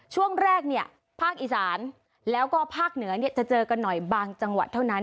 ช่วงแรกเนี่ยภาคอีสานแล้วก็ภาคเหนือจะเจอกันหน่อยบางจังหวัดเท่านั้น